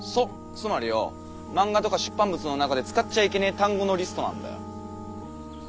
つまりよォ漫画とか出版物の中で使っちゃあいけねー単語のリストなんだよ。